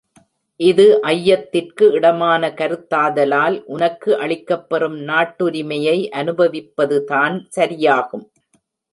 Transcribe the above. இது ஐயத்திற்கு இடமான கருத்தாதலால் உனக்கு அளிக்கப்பெறும் நாட்டுரிமையை அனுபவிப்பது தான் சரியாகும்.